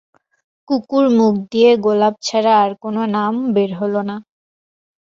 কুমুর মুখ দিয়ে গোপাল ছাড়া আর কোনো নাম বেরোল না।